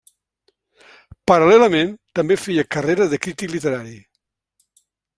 Paral·lelament, també feia carrera de crític literari.